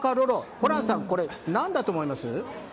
ホランさん、これ、何だと思います？